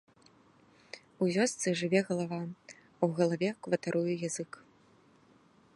У вёсцы жыве галава, а ў галаве кватаруе язык.